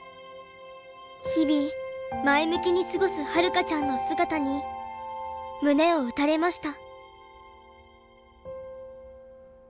日々前向きに過ごすはるかちゃんの姿に胸を打たれました。